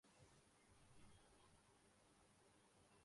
آبی بخارات اور کاربن ڈائی آکسائیڈ میں قدرتی طور پر صلاحیت ہوتی ہے